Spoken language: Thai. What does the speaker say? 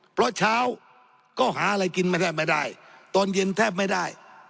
เพราะเช้าก็หาอะไรกินไม่ได้ตอนเย็นแทบไม่ได้